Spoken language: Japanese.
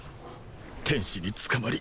天使に捕まり